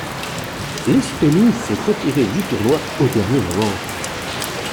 L'Estonie s'est retiré du tournoi au dernier moment.